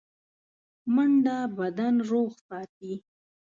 منډه بدن روغ ساتي